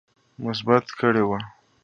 مثبت کړه وړه